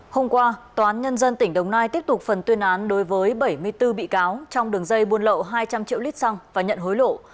hôm qua tòa án nhân dân tỉnh đồng nai tiếp tục phần tuyên án đối với bảy mươi bốn bị cáo trong đường dây buôn lậu hai trăm linh triệu lít xăng và nhận hối lộ